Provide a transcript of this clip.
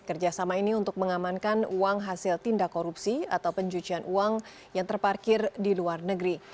kerjasama ini untuk mengamankan uang hasil tindak korupsi atau pencucian uang yang terparkir di luar negeri